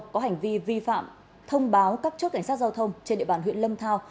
có hành vi vi phạm thông báo các chốt cảnh sát giao thông trên địa bàn huyện lâm thao